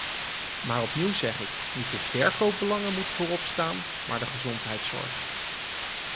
Maar opnieuw zeg ik: niet de verkoopbelangen moeten voorop staan maar de gezondheidszorg.